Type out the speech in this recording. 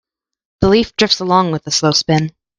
The leaf drifts along with a slow spin.